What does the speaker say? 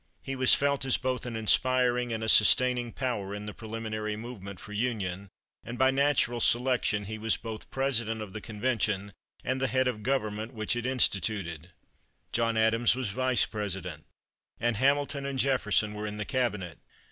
He was felt as both an inspiring and a sustaining power in the preliminary movement for union, and by natural selection he was both President of the Convention and the head of the government which it instituted. John Adams was Vice President, and Hamilton and Jefferson were in the cabinet.